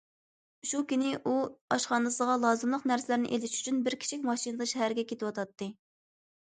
شۇ كۈنى ئۇ ئاشخانىسىغا لازىملىق نەرسىلەرنى ئېلىش ئۈچۈن بىر كىچىك ماشىنىدا شەھەرگە كېتىۋاتاتتى.